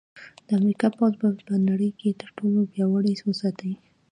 د امریکا پوځ به په نړۍ کې تر ټولو پیاوړی وساتي